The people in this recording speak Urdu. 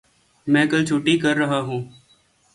میں کل چھٹی کر ریا ہوں